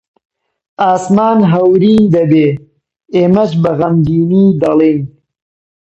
ئاسمان هەورین دەبێ، ئێمەش بە غەمگینی دەڵێین: